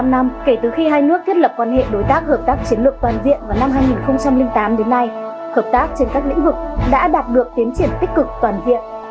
bảy mươi năm năm kể từ khi hai nước thiết lập quan hệ đối tác hợp tác chiến lược toàn diện vào năm hai nghìn tám đến nay hợp tác trên các lĩnh vực đã đạt được tiến triển tích cực toàn diện